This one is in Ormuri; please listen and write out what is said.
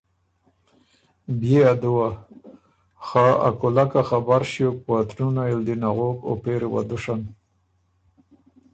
بيې ا دُوه، خه ا کُولک که خبر ݭیوک وطنُونئ ال دی نغوک او پېری وه دُشن!